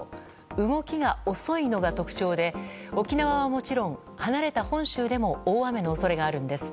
動きが遅いのが特徴で沖縄はもちろん離れた本州でも大雨の恐れがあるんです。